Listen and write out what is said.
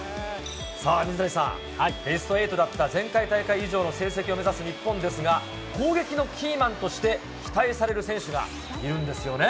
さあ、水谷さん、ベスト８だった前回大会以上の成績を目指す日本ですが、攻撃のキーマンとして、期待される選手がいるんですよね。